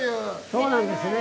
そうなんですね。